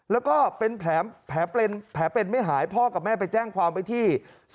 แล้วก็เป็นแผลเป็นแผลเป็นไม่หายพ่อกับแม่ไปแจ้งความไว้ที่